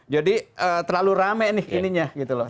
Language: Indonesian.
jadi terlalu rame nih ininya gitu loh